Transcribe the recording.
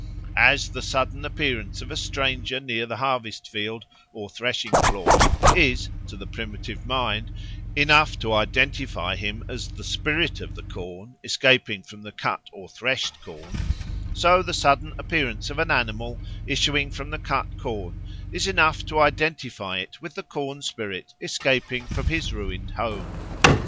As the sudden appearance of a stranger near the harvest field or threshing floor is, to the primitive mind, enough to identify him as the spirit of the corn escaping from the cut or threshed corn, so the sudden appearance of an animal issuing from the cut corn is enough to identify it with the corn spirit escaping from his ruined home.